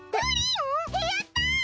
やった！